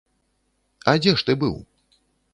А дзе ж ты быў?